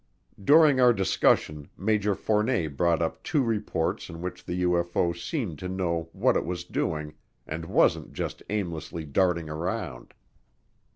During our discussion Major Fournet brought up two reports in which the UFO seemed to know what it was doing and wasn't just aimlessly darting around.